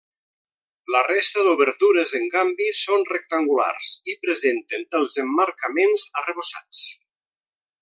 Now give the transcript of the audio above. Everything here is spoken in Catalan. La resta d'obertures, en canvi, són rectangulars i presenten els emmarcaments arrebossats.